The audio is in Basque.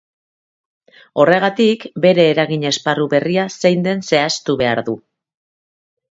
Horregatik, bere eragin esparru berria zein den zehaztu behar du.